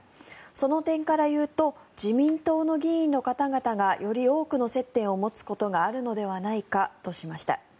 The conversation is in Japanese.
その点から言うと自民党の議員の方々がより多くの接点を持つことがあるのではないかとしました。